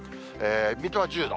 水戸は１０度。